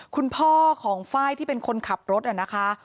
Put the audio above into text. คุณพ่อของไฟล์ที่เป็นคนขับรถนะคะ